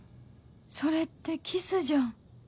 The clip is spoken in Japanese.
それってキスじゃん